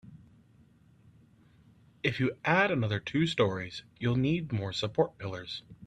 If you add another two storeys, you'll need more support pillars.